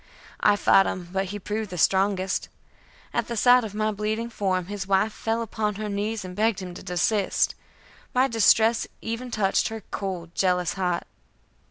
I fought him, but he proved the strongest. At the sight of my bleeding form, his wife fell upon her knees and begged him to desist. My distress even touched her cold, jealous heart.